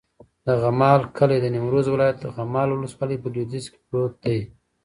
د غمال کلی د نیمروز ولایت، غمال ولسوالي په لویدیځ کې پروت دی.